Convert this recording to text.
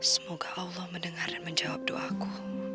semoga allah mendengar dan menjawab doaku